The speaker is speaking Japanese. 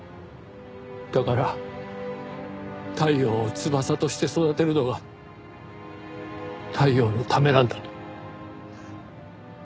だから太陽を翼として育てるのが太陽のためなんだと。